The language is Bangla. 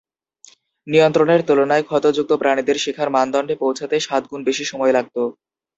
নিয়ন্ত্রণের তুলনায়, ক্ষতযুক্ত প্রাণীদের শেখার মানদণ্ডে পৌঁছাতে সাত গুণ বেশি সময় লাগত।